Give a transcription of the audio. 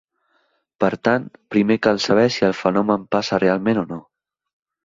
Per tant, primer cal saber si el fenomen passa realment o no.